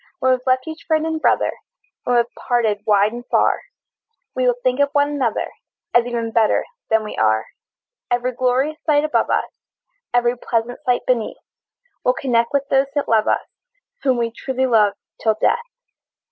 When we've left each friend and brother, When we're parted wide and far, We will think of one another, As even better than we are. Every glorious sight above us, Every pleasant sight beneath, We'll connect with those that love us, Whom we truly love till death!